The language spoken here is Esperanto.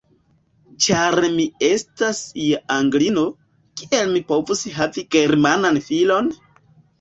Ĉar mi estas ja Anglino, kiel mi povus havi Germanan filon?